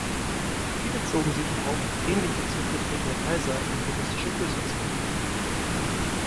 Viele zogen sich auch, ähnlich wie zurückgetretene Kaiser, in buddhistische Klöster zurück.